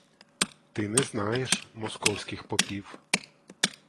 Ти не знаєш московських попів.